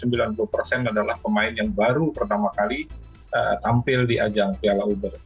dan mereka memang luar biasa tampil di ajang piala uber